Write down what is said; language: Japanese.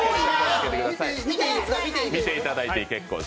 見ていただいて結構です。